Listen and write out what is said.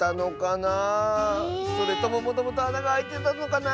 それとももともとあながあいてたのかな！